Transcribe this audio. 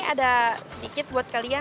ada sedikit buat kalian